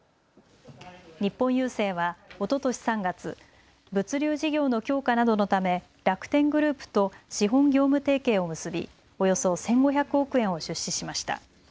日本郵政はおととし３月、物流事業の強化などのため楽天グループと資本・業務提携を結び、およそ１５００億円を出資しました。